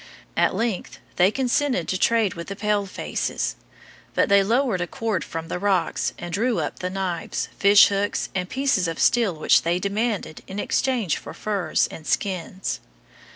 At length they consented to trade with the pale faces; but they lowered a cord from the rocks and drew up the knives, fishhooks, and pieces of steel which they demanded in exchange for furs and skins.